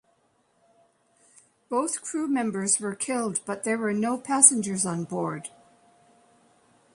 Both crew members were killed, but there were no passengers on board.